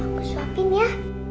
aku suapin ya